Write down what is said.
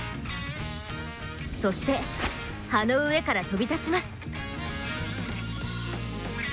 そして葉の上から飛び立ちます。